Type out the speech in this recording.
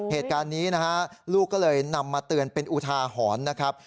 เหตุการณ์นี้นะฮะลูกก็เลยนำมาเตือนเป็นอุทาหรณ์นะครับ